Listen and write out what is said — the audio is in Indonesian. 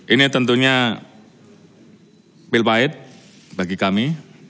ini tentunya pil pahit bagi kami